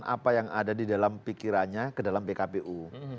apa yang ada di dalam pikirannya ke dalam pkpu